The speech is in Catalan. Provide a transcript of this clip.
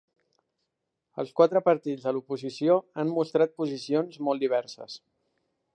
Els quatre partits de l'oposició han mostrat posicions molt diverses.